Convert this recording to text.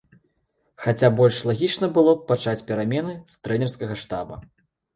Хаця больш лагічна было б пачаць перамены з трэнерскага штаба.